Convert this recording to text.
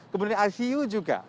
kemudian icu juga